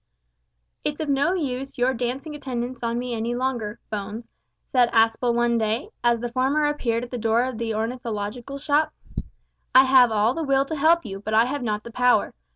"It's of no use your dancing attendance on me any longer, Bones," said Aspel one day, as the former appeared at the door of the ornithological shop. "I have all the will to help you, but I have not the power.